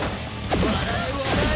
笑え笑え！